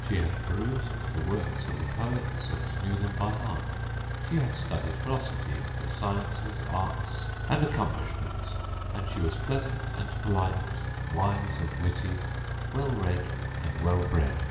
She had perused the works of the poets and knew them by heart; she had studied philosophy and the sciences, arts and accomplishments; and she was pleasant and polite, wise and witty, well read and well bred.